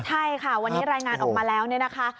ใช่ค่ะวันนี้รายงานออกมาแล้วเนี่ยนะคะ